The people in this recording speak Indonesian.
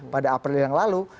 pada april yang lalu